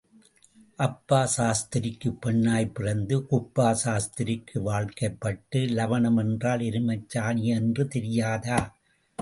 அப்பா சாஸ்திரிக்குப் பெண்ணாய்ப் பிறந்து, குப்பா சாஸ்திரிக்கு வாழ்க்கைப்பட்டு, லவணம் என்றால் எருமைச் சாணி என்று தெரியாதா?